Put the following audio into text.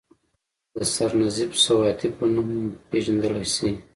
د سرنزېب سواتي پۀ نوم پ ېژندے شي،